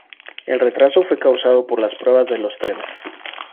El retraso fue causado por las pruebas de los trenes.